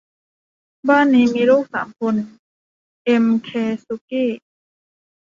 บ้านนี้มีลูกสามคน เอ็ม เค สุกี้